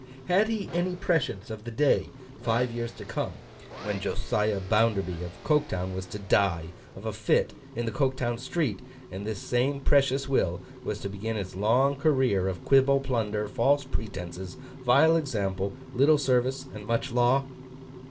Had he any prescience of the day, five years to come, when Josiah Bounderby of Coketown was to die of a fit in the Coketown street, and this same precious will was to begin its long career of quibble, plunder, false pretences, vile example, little service and much law?